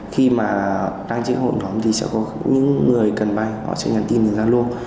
khi mà đăng trên hội nhóm thì sẽ có những người cần vây họ sẽ nhận tin từ giang lô